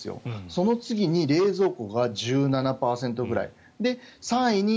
その次に冷蔵庫が１７％ぐらい。